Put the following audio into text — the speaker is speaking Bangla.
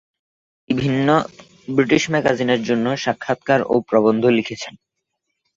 তিনি বিভিন্ন ব্রিটিশ ম্যাগাজিনের জন্য সাক্ষাৎকার ও প্রবন্ধ লিখেছেন।